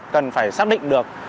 cần phải xác định được